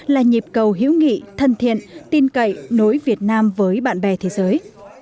là nhịp cầu hữu nghị thân thiện tin cậy nối việt nam với bạn bè thế giới